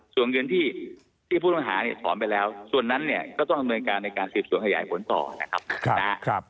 ส่วนเงินที่ผู้ต้องหาเนี่ยถอนไปแล้วส่วนนั้นเนี่ยก็ต้องดำเนินการในการสืบสวนขยายผลต่อนะครับ